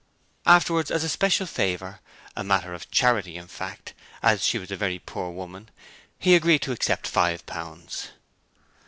Afterwards, as a special favour a matter of charity, in fact, as she was a very poor woman he agreed to accept five pounds.